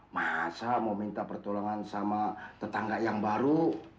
masa mau minta pertolongan sama tetangga yang baru